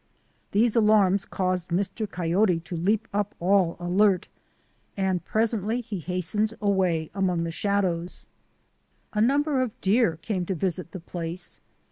These alarms caused Mr. Coyote to leap up all alert, and presently he hastened away among the shadows. A number of deer came to visit the place.